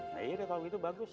nah iya deh kalau begitu bagus tuh